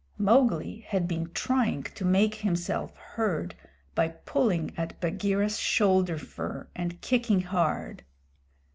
Mowgli had been trying to make himself heard by pulling at Bagheera's shoulder fur and kicking hard.